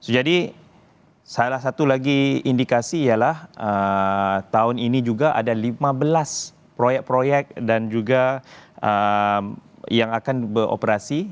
jadi salah satu lagi indikasi ialah tahun ini juga ada lima belas proyek proyek dan juga yang akan beroperasi